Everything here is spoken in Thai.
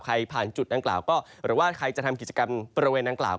ใครผ่านจุดดังกล่าวก็หรือว่าใครจะทำกิจกรรมบริเวณดังกล่าว